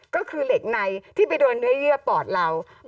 ก็คือเหล็กในที่ไปโดนเนื้อเยื่อปอดเรา